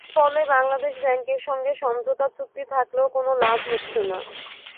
ফলে বাংলাদেশ ব্যাংকের সঙ্গে সমঝোতা চুক্তি থাকলেও কোনো লাভ হচ্ছে না।